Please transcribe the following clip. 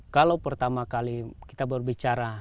kalau pertama kali kita berbicara